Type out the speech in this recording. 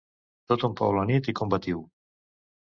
Tot un poble unit i combatiu!